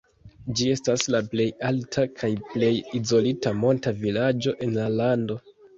Ĝi estas la plej alta kaj plej izolita monta vilaĝo en la lando.